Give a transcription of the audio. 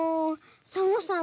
サボさん